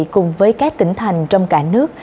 cùng với các tỉnh thành trong cả nước